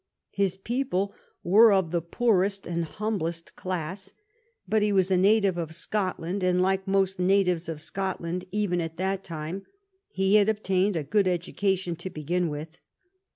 His people were of the poorest and humblest class, but he was a native of Scotland, and like most natives of Scotland, even at that time, he had obtained a good education to begin with.